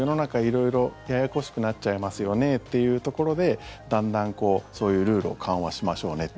色々ややこしくなっちゃいますよねっていうところでだんだん、そういうルールを緩和しましょうねって。